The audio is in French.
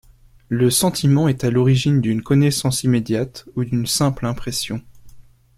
Le sentiment est à l'origine d'une connaissance immédiate ou d'une simple impression.